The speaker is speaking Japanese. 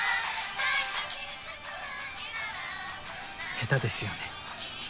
下手ですよね。